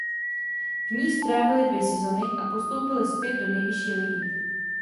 V ní strávili dvě sezony a postoupili zpět do Nejvyšší ligy.